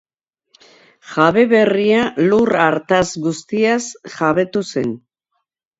Jabe berria lur hartaz guztiaz jabetu zen.